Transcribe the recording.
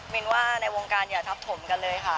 มินว่าในวงการอย่าทับถมกันเลยค่ะ